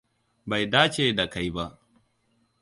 Bai dace da kai ba.